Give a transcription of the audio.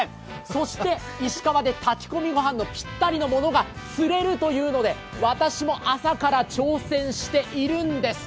そして、石川で炊き込みご飯にぴったりのものが釣れるというので私も朝から挑戦しているんです。